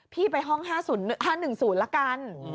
พี่ไปห้อง๕๑๐ละกัน